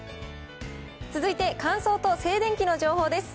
続いて乾燥と静電気の情報です。